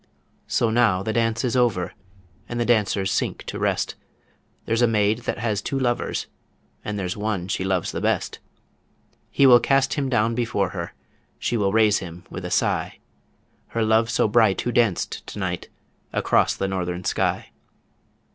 So now the dance is over, And the dancers sink to rest There's a maid that has two lovers, And there's one she loves the best; He will cast him down before her, She will raise him with a sigh Her love so bright who danced to night across the Northern Sky.